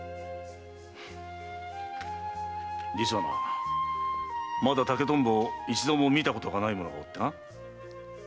実はなまだ竹トンボを一度も見たことがない者がいてな。